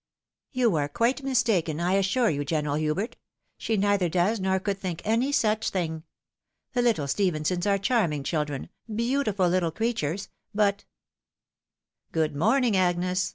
" You are quite mistaken, I assure you. General Hubert. She neither does nor could think any such thing. The little Ste phensons are charming children, beautiful little creatures ; but —" "Good morning, Agnes!"